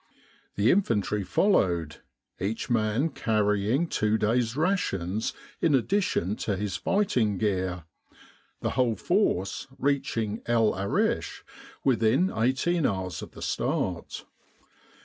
The infantry followed, each man carrying two days' rations in ad dition to his fighting gear, the whole force reaching El Arish within eighteen hours of the start.